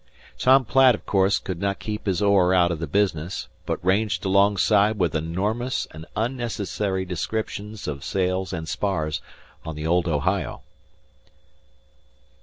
Tom Platt, of course, could not keep his oar out of the business, but ranged alongside with enormous and unnecessary descriptions of sails and spars on the old Ohio.